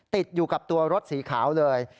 ติดอยู่กับตัวรถสีขาวเลย